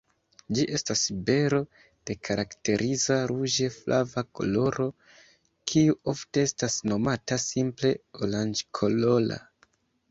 Ĝi estas bero de karakteriza ruĝe-flava koloro, kiu ofte estas nomata simple oranĝkolora.